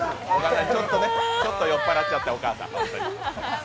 ちょっと酔っ払っちゃって、お母さん。